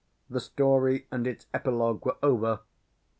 The story and its epilogue were over.